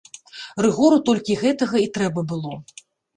Рыгору толькі гэтага і трэба было.